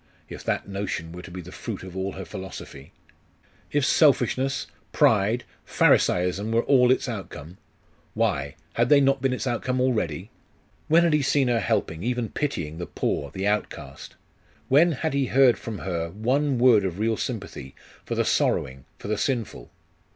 If that notion were to be the fruit of all her philosophy? If selfishness, pride, Pharisaism, were all its outcome? Why had they not been its outcome already? When had he seen her helping, even pitying, the poor, the outcast? When had he heard from her one word of real sympathy for the sorrowing; for the sinful?....